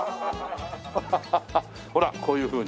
ハハハほらこういうふうに。